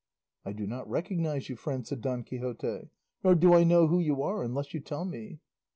"I do not recognise you, friend," said Don Quixote, "nor do I know who you are, unless you tell me."